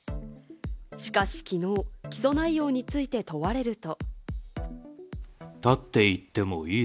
しかし、きのう起訴内容について問われると。